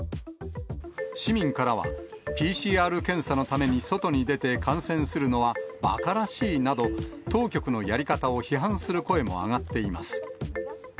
市民からは、ＰＣＲ検査のために外に出て感染するのはばからしいなど、当局のやり方を批判する声も上がっています。